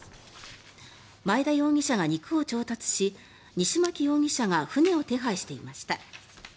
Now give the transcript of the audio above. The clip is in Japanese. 前田容疑者が肉を調達し西槇容疑者が船を手配していました。